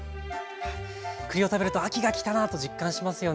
栗を食べると秋が来たなと実感しますよね。